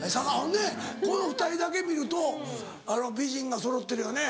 ねぇこの２人だけ見ると美人がそろってるよね。